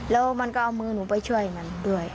แล้วมันก็เอามือหนูไปช่วยมันด้วย